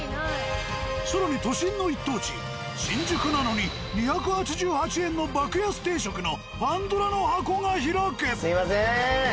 更に都心の一等地新宿なのに２８８円の爆安定食のパンドラの箱が開く！